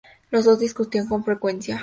Los dos discutían con frecuencia.